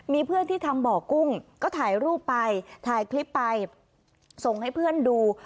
มีเพื่อนที่ทำบ่อกุ้งก็ถ่ายรูปไปถ่ายคลิปไปส่งให้เพื่อนดู